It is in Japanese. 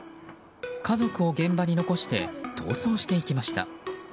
家族を現場に残して逃走していきました。